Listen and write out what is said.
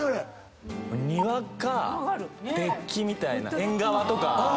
庭かデッキみたいな縁側とか。